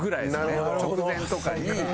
直前とかに。